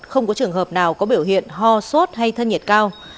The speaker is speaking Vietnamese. không có trường hợp nào có biểu hiện ho sốt hay thân nhiệt cao